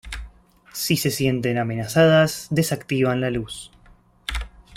Si se sienten amenazadas, desactivan la luz.